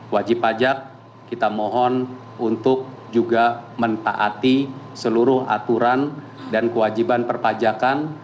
wajib pajak kita mohon untuk juga mentaati seluruh aturan dan kewajiban perpajakan